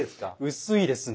薄いですね。